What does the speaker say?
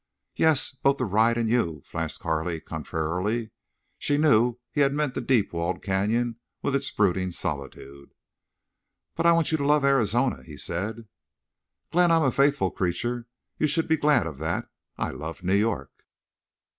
"Yes, both the ride—and you," flashed Carley, contrarily. She knew he had meant the deep walled canyon with its brooding solitude. "But I want you to love Arizona," he said. "Glenn, I'm a faithful creature. You should be glad of that. I love New York."